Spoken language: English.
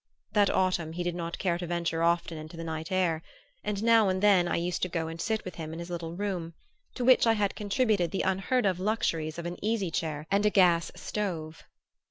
That autumn he did not care to venture often into the night air, and now and then I used to go and sit with him in his little room, to which I had contributed the unheard of luxuries of an easy chair and a gas stove.